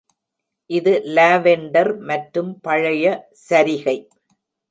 இது லாவெண்டர் மற்றும் பழைய சரிகை.